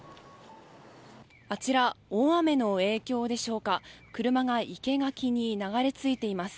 あちら、大雨の影響でしょうか車が生け垣に流れ着いています。